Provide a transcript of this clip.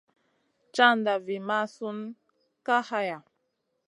Caʼnda vi mʼasun Kay haya.